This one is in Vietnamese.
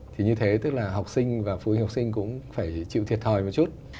thì như thế tức là học sinh và phụ huynh học sinh cũng phải chịu thiệt thòi một chút